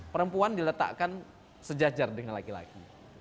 perempuan diletakkan sejajar dengan laki laki